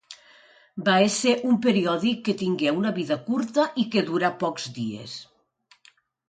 Va ésser un periòdic que tingué una vida curta i que durà pocs dies.